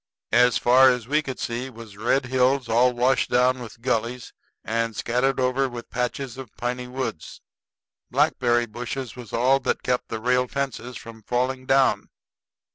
As far as we could see was red hills all washed down with gullies and scattered over with patches of piny woods. Blackberry bushes was all that kept the rail fences from falling down.